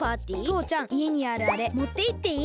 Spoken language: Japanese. とうちゃんいえにあるあれもっていっていい？